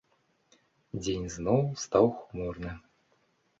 Дзень зноў стаў хмурны.